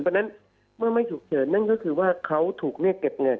เพราะฉะนั้นเมื่อไม่ฉุกเฉินนั่นก็คือว่าเขาถูกเรียกเก็บเงิน